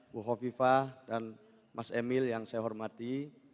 bu hovifah dan mas emil yang saya hormati